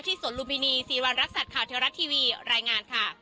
ที่สวรรค์ลุมินีสีวันรักษัตริย์ข่าวเทวรัตน์ทีวีรายงานค่ะ